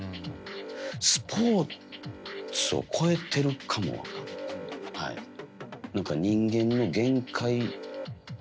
スポーツを超えてるかも分かんないです。